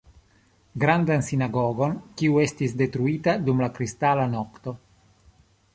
Grandan sinagogon, kiu estis detruita dum la Kristala nokto.